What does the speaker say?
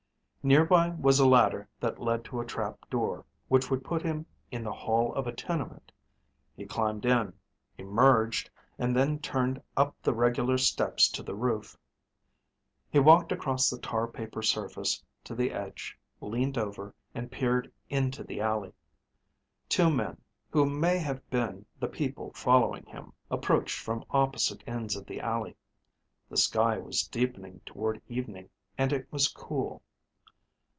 Nearby was a ladder that led to a trap door which would put him in the hall of a tenement. He climbed it, emerged, and then turned up the regular steps to the roof. He walked across the tar paper surface to the edge, leaned over, and peered into the alley. Two men, who may have been the people following him, approached from opposite ends of the alley. The sky was deepening toward evening and it was cool.